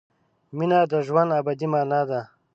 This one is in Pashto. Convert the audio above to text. مینه د ژوند ابدي مانا ده.